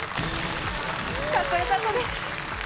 かっこよかったです。